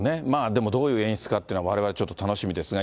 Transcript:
でもどういう演出かっていうのはわれわれ、ちょっと楽しみですが。